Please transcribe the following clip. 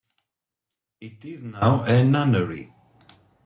It is now a nunnery.